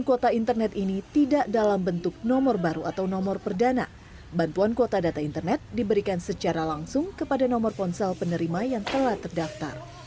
kementerian pendidikan dan keudahan bantuan kota data internet diberikan secara langsung kepada nomor ponsel penerima yang telah terdaftar